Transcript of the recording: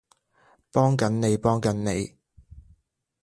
幫緊你幫緊你